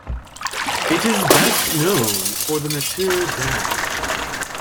It is best known for the Mettur Dam.